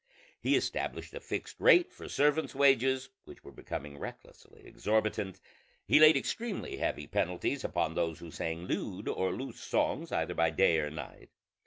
He established a fixed rate for servants' wages, which were becoming recklessly exorbitant. He laid extremely heavy penalties upon those who sang lewd or loose songs either by day or night.